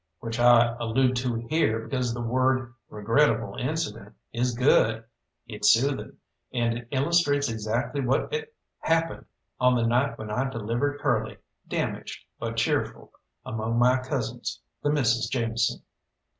Which I allude to here because the word "regrettable incident" is good; it's soothing, and it illustrates exactly what happened on the night when I delivered Curly, damaged but cheerful, among my cousins, the Misses Jameson.